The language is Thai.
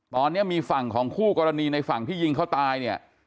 ตอนนี้มีฝั่งของคู่กรณีในฝั่งที่ยิงเขาตายเนี่ย